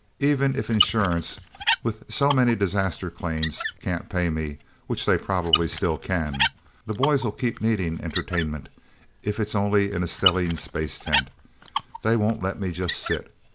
"Even if Insurance, with so many disaster claims, can't pay me which they probably still can. The boys'll keep needing entertainment, if it's only in a stellene space tent. They won't let me just sit...